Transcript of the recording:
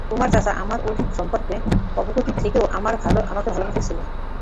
তোমার চাচা আমার অতীত সম্পর্কে অবগত থেকেও আমায় ভালোবেসেছিলেন।